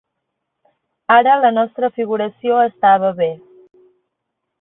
Ara la nostra figuració estava bé.